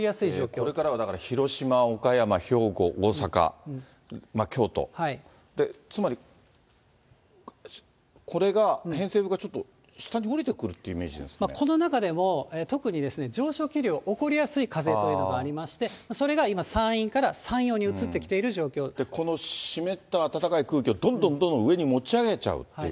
これからはだから広島、岡山、兵庫、大阪、京都で、つまりこれが偏西風がちょっと下に降りてくるってイメージなんでこの中でも、特に上昇気流起こりやすい風というのがありまして、それが今、山陰から山陽に移この湿った暖かい空気をどんどんどんどん上に持ち上げちゃうっていう。